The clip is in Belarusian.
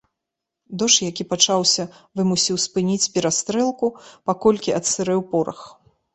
Дождж, які пачаўся вымусіў спыніць перастрэлку, паколькі адсырэў порах.